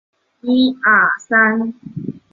使用北美山区时区作为标准时间。